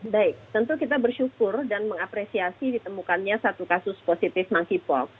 baik tentu kita bersyukur dan mengapresiasi ditemukannya satu kasus positif monkeypox